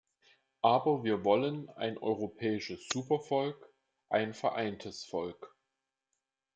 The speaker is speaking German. Aber wir wollen ein europäisches "Supervolk", ein vereintes Volk.